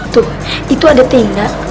tuh itu ada tinda